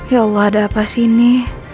ya allah ada apa sih ini